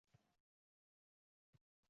Birontasining o‘qiga uchsam bo‘lmasmidi\